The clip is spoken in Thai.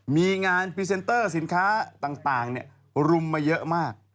มีงานพรีเซนเตอร์สินค้าต่างรุมมาเยอะมาก